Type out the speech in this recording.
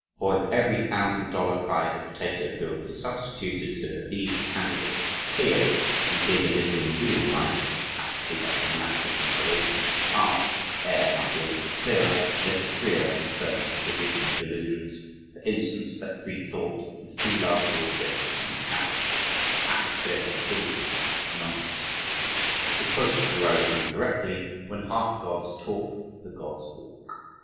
If for every thousand dollar prize a potato field be substituted, so that these candidates of "Clio" can dig a little in real life, perhaps dig up a natural inspiration, arts air might be a little clearer a little freer from certain traditional delusions, for instance, that free thought and free love always go to the same cafe that atmosphere and diligence are synonymous. To quote Thoreau incorrectly: "When half Gods talk, the Gods walk!"